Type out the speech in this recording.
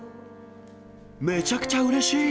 めちゃくちゃうれしい！